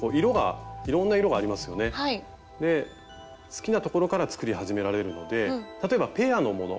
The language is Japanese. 好きなところから作り始められるので例えばペアのもの